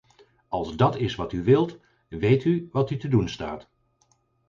Als dat is wat u wilt, weet u wat u te doen staat.